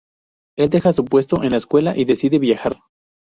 Él deja su puesto en la escuela y decide viajar.